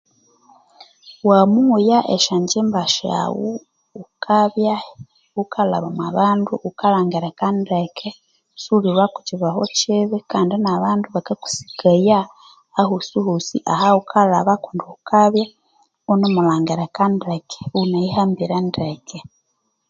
Wamoya esya ngyimba syaghu ghukabya iwukalhaba omwa bandu wukalhangirika ndeke siwulilhwako kyibeho kyibi kandi nabandu bakakusikaya ahosihosi ahaghukalhaba kundi wukabya iwune mulhangirika ndeke iwuna yihambire ndeke